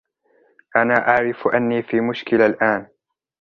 أنا أعرف أني في مشكلة الآن.